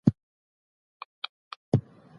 د جګړو په پایله کي خپلمنځي اړيکې ژوبل سوې.